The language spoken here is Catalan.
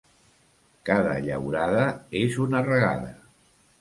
Cada llaurada és una regada.